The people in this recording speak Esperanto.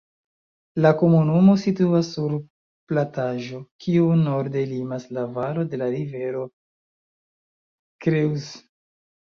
La komunumo situas sur plataĵo, kiun norde limas la valo de la rivero Creuse.